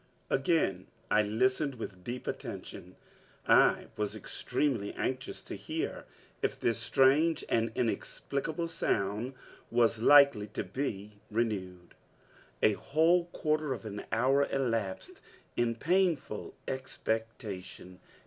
Again I listened with deep attention. I was extremely anxious to hear if this strange and inexplicable sound was likely to be renewed! A whole quarter of an hour elapsed in painful expectation.